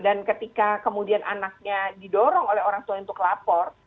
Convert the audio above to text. dan ketika kemudian anaknya didorong oleh orang tuanya untuk lapor